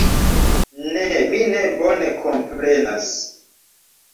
Ne, mi ne bone komprenas.